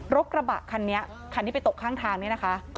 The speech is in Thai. กระบะคันนี้คันที่ไปตกข้างทางเนี่ยนะคะ